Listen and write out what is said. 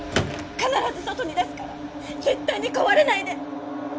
必ず外に出すから絶対に壊れないで！